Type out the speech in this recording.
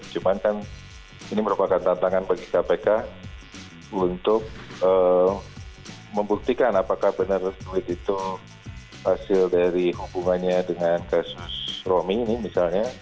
cuman kan ini merupakan tantangan bagi kpk untuk membuktikan apakah benar duit itu hasil dari hubungannya dengan kasus romi ini misalnya